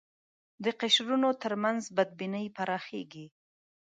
د قشرونو تر منځ بدبینۍ پراخېږي